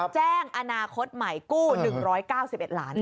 แจ้งอนาคตใหม่กู้๑๙๑ล้าน